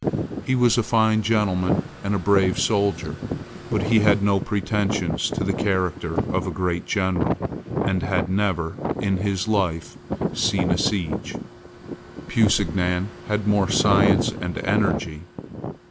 He was a fine gentleman and a brave soldier; but he had no pretensions to the character of a great general, and had never, in his life, seen a siege, Pusignan had more science and energy.